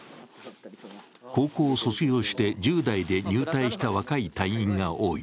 高校を卒業して１０代で入隊した若い隊員が多い。